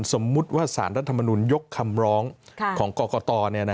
สมมุติว่าสารรัฐมนุนยกคำร้องของกรกต